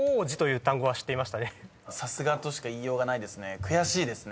さすがとしか言いようがないですね。